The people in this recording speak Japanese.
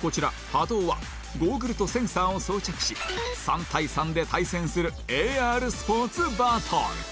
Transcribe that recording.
こちら ＨＡＤＯ はゴーグルとセンサーを装着し３対３で対戦する ＡＲ スポーツバトル